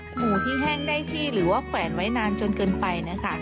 หมูที่แห้งได้ที่หรือว่าแขวนไว้นานจนเกินไปนะคะ